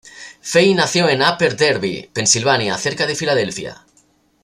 Fey nació en Upper Darby, Pensilvania, cerca de Filadelfia.